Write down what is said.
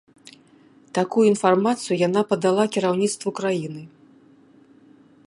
Такую інфармацыю яна падала кіраўніцтву краіны.